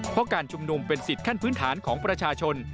เพราะการชุมนุมเป็นสิทธิ์ขั้นพื้นฐานของประชาชน